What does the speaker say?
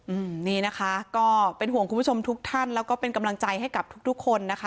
อืมนี่นะคะก็เป็นห่วงคุณผู้ชมทุกท่านแล้วก็เป็นกำลังใจให้กับทุกทุกคนนะคะ